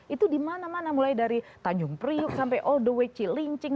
itu dimana mana mulai dari tanjung prihuk sampai oldowechi lincing